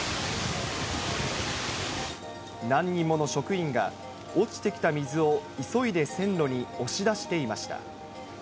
何人もの職員が落ちてきた水を急いで線路に押し出していました。